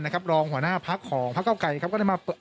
นะครับรองหัวหน้าพักเก้ากัยนะครับก็ได้มาเปิด